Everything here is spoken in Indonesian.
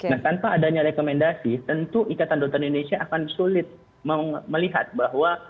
nah tanpa adanya rekomendasi tentu ikatan dokter indonesia akan sulit melihat bahwa